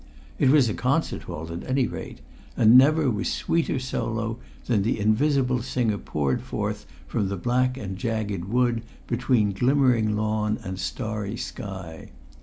It was a concert hall, at any rate, and never was sweeter solo than the invisible singer poured forth from the black and jagged wood between glimmering lawn and starry sky.